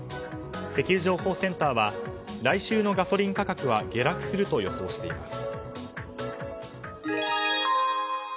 石油情報センターは来週のガソリン価格は下落すると予想しています。